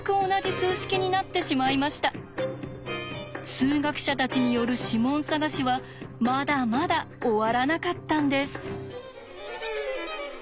数学者たちによる指紋探しはまだまだ終わらなかったんです。